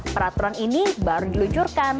peraturan ini baru diluncurkan